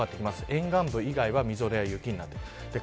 沿岸部以外はみぞれや雪になってきます。